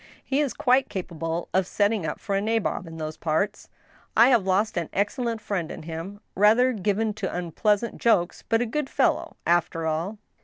He is quite capable of setting up for a nabob in those parts. I have lost an excellent friend in him ; rather given to unpleasant jokes, but a good fellow, after all."